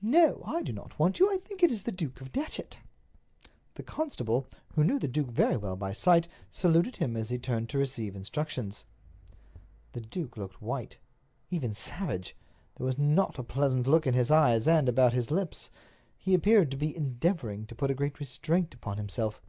"No, I do not want you. I think it is the Duke of Datchet." The constable, who knew the duke very well by sight, saluted him as he turned to receive instructions. The duke looked white, even savage. There was not a pleasant look in his eyes and about his lips. He appeared to be endeavoring to put a great restraint upon himself.